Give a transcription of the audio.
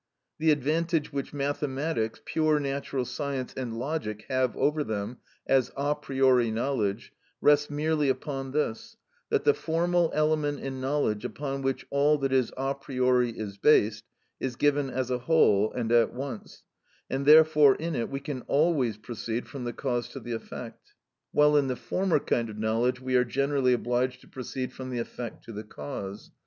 The advantage which mathematics, pure natural science, and logic have over them, as a priori knowledge, rests merely upon this, that the formal element in knowledge upon which all that is a priori is based, is given as a whole and at once, and therefore in it we can always proceed from the cause to the effect, while in the former kind of knowledge we are generally obliged to proceed from the effect to the cause.